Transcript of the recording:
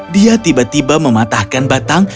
dia tiba tiba mematahkan batang